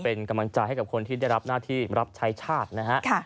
เป็นกำลังใจให้กับคนที่ได้รับหน้าที่รับใช้ชาตินะฮะ